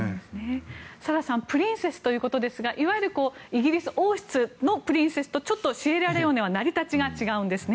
サラさんはプリンセスということでいわゆるイギリス王室のプリンセスとシエラレオネは成り立ちが違うんですね。